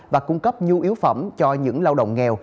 và cung cấp nhu yếu phẩm cho những lao động nghèo